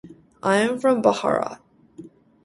I am from Bharat.